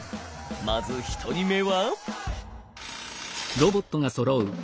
まず１人目は。